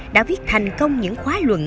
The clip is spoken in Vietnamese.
đã viết thành công những khóa luận